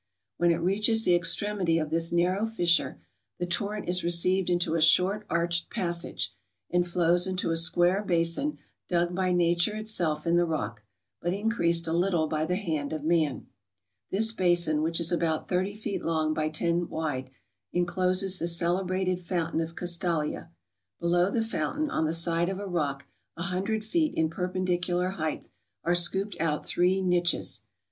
When it reaches the extremity of this narrow fissure, the torrent is received into a short arched passage, and flows into a square basin dug by nature itself in the rock, but increased a little by the hand of man. This basin, which is about 30 feet long by 10 wide, encloses tlie celebrated fountain of Castalia. Below the fountain, on the side of a rock a hundred feet in perpendicular height, are scooped out three niches.